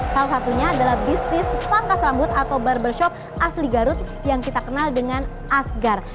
salah satunya adalah bisnis pangkas rambut atau barbershop asli garut yang kita kenal dengan asgar